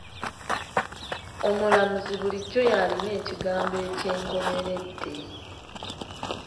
Omulamuzi bulijjo y'alina ekigambo eky'enkomeredde.